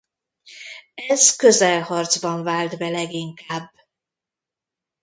Ez közelharcban vált be leginkább.